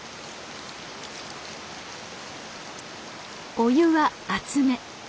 お湯は熱め。